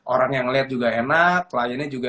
orang yang melihat juga enak kliennya juga